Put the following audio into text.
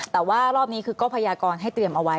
แต่ว่ารอบนี้คือก็พยากรให้เตรียมเอาไว้